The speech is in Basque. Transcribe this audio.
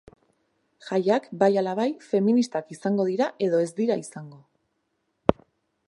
Jaiak, bai ala bai, feministak izango dira edo ez dira izango!